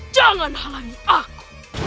jangan halangi aku